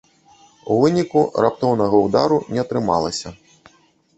У выніку раптоўнага ўдару не атрымалася.